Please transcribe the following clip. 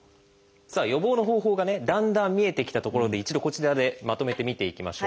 さあ予防の方法がだんだん見えてきたところで一度こちらでまとめて見ていきましょう。